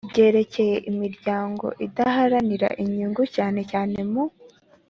ryerekeye imiryango idaharanira inyungu cyane cyane mu